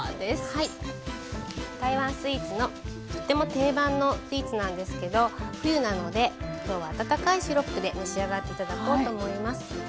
台湾スイーツのとっても定番のスイーツなんですけど冬なのできょうは温かいシロップで召し上がって頂こうと思います。